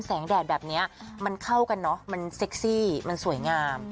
แดดแบบนี้มันเข้ากันเนอะมันเซ็กซี่มันสวยงาม